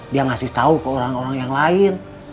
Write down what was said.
dia ngasih tahu ke orang orang yang lain